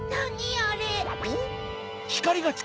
あれ。